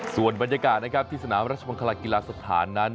ส่วนบรรยากาศนะครับที่สนามราชมังคลากีฬาสถานนั้น